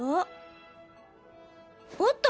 おっと！